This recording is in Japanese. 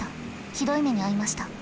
ひどい目に遭いました。